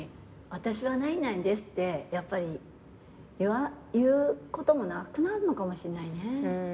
私は何々ですってやっぱり言うこともなくなんのかもしんないね。